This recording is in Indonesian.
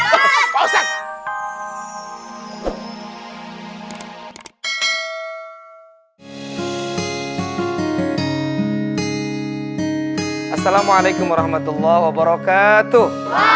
walaikum assalamualaikum warahmatullahi wabarakatuh